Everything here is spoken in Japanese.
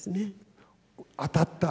当たった。